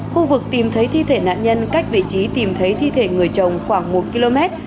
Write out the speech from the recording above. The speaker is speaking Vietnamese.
khu vực tìm thấy thi thể nạn nhân cách vị trí tìm thấy thi thể người chồng khoảng một km